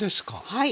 はい。